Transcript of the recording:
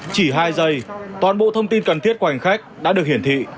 chỉ hai giây toàn bộ thông tin cần thiết của hành khách đã được hiển thị